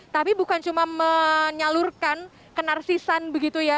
tapi bukan cuma menyalurkan kenarsisan begitu ya